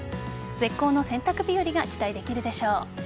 絶好の洗濯日和が期待できるでしょう。